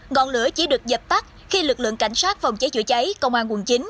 ngọn lửa chỉ được dập tắt khi lực lượng cảnh sát phòng cháy chữa cháy công an quận chín